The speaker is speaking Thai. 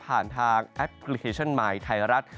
ทางแอปพลิเคชันมายไทยรัฐ